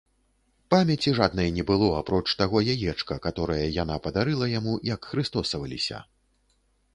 Памяці жаднай не было, апроч таго яечка, каторае яна падарыла яму, як хрыстосаваліся.